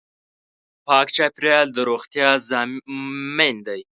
پاک چاپېریال د روغتیا ضامن دی.